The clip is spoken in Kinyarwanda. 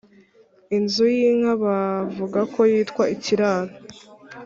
Inzu y’Inka bavugako yitwa Ikiraro